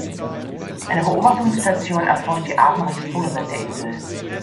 Eine Beobachtungsstation erforscht die artenreiche Vogelwelt der Insel.